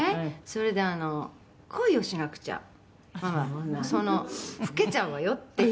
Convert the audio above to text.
「それで“恋をしなくちゃママ老けちゃうわよ”って言うんですね」